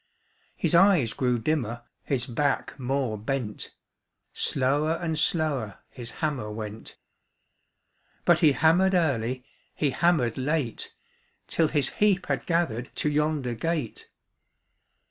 His eyes grew dimmer, His back more bent, Slower and slower His hammer went. But he hammered early. He hammered late. 29 Till his heap had gathered To yonder gate.